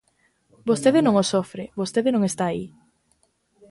Vostede non o sofre, vostede non está aí.